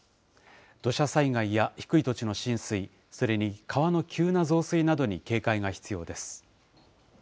土砂災害や低い土地の浸水、それに川の急な増水などに警戒が必要です。